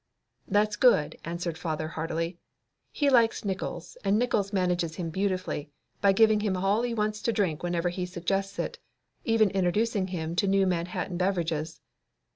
"That's good," answered father heartily. He likes Nickols and Nickols manages him beautifully, by giving him all he wants to drink whenever he suggests it, even introducing him to new Manhattan beverages.